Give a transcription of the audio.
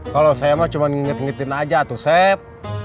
kalau saya mah cuma ngingetin ngetin aja tuh sep